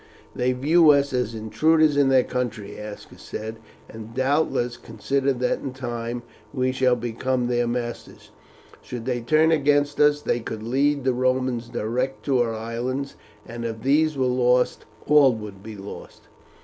"They view us as intruders in their country," Aska said, "and doubtless consider that in time we shall become their masters. Should they turn against us they could lead the Romans direct to our islands, and if these were lost all would be lost."